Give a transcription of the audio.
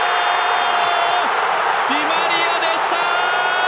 ディマリアでした！